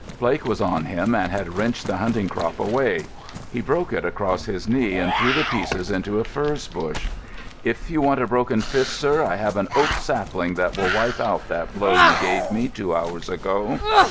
Blake was on him, and had wrenched the hunting crop away. He broke it across his knee, and threw the pieces into a furze bush. "If you want a broken fist, sir, I have an oak sapling that will wipe out that blow you gave me two hours ago."